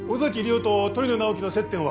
桜と鳥野直木の接点は？